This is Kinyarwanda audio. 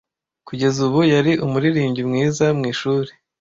Kugeza ubu yari umuririmbyi mwiza mu ishuri.